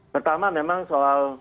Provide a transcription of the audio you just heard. pertama memang soal